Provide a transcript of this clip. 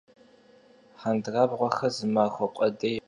Hendırabğuexer zı maxue khuedêyş zerıpseur.